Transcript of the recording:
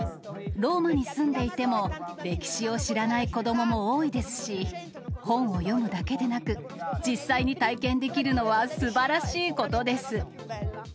ローマに住んでいても、歴史を知らない子どもも多いですし、本を読むだけでなく、実際に体験できるのはすばらしいことです。